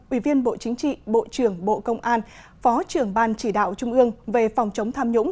ủy viên bộ chính trị bộ trưởng bộ công an phó trưởng ban chỉ đạo trung ương về phòng chống tham nhũng